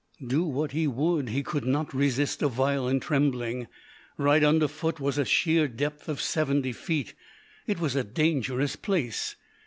Do what he would, he could not resist a violent trembling. Right under foot was a sheer depth of seventy feet. It was a dangerous place.